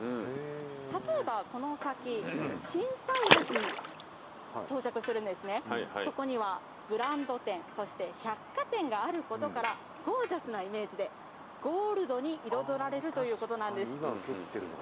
例えばこの先、心斎橋に到着するんですね、そこにはブランド店、そして百貨店があることから、ゴージャスなイメージで、ゴールドに彩られるということなんです。